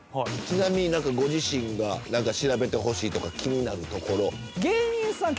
ちなみにご自身が何か調べてほしいとか気になるところ芸人さん